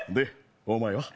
お前は？